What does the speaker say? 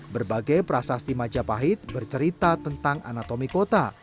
berbagai prasasti majapahit bercerita tentang anatomi kota